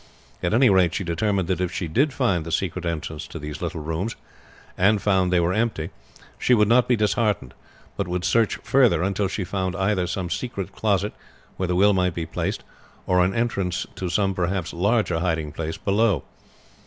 At any rate she determined that if she did find the secret entrance to these little rooms, and found that they were empty she would not be disheartened, but would search further until she found either some secret closet where the will might be placed, or an entrance to some perhaps larger hiding place below.